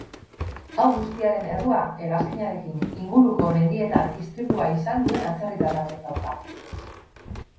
Hau guztiaren errua hegazkinarekin inguruko mendietan istripua izan duen atzerritar batek dauka.